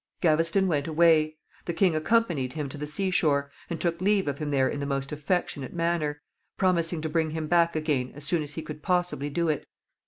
Gaveston went away. The king accompanied him to the sea shore, and took leave of him there in the most affectionate manner, promising to bring him back again as soon as he could possibly do it.